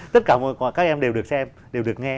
tất cả mọi các em đều được xem đều được nghe